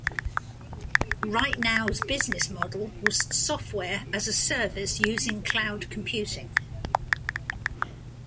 RightNow's business model was software as a service using cloud computing.